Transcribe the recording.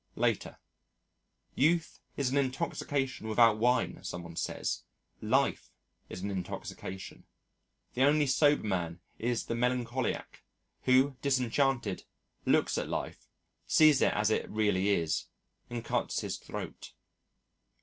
Later: Youth is an intoxication without wine, some one says. Life is an intoxication. The only sober man is the melancholiac, who, disenchanted, looks at life, sees it as it really is, and cuts his throat.